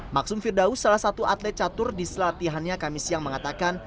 maksum firdaus salah satu atlet catur di selatihannya kami siang mengatakan